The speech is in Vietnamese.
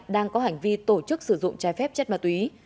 đang có hành vi tổ chức sử dụng trái phép chất ma túy